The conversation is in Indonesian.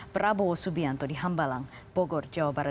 prabowo subianto di hambalang bogor jawa barat